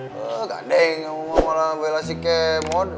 gak ada yang mau ngamalahin si kemod